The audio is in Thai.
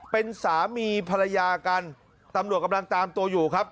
เป็นสามีภรรยากันตำรวจกำลังตามตัวอยู่ครับ